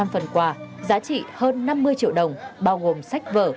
một trăm linh phần quà giá trị hơn năm mươi triệu đồng bao gồm sách vỡ